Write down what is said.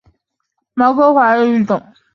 毛叶杯锥为壳斗科锥属下的一个种。